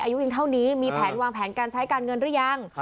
อายุยังเท่านี้มีแผนวางแผนการใช้การเงินหรือยัง